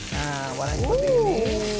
nah warnanya seperti ini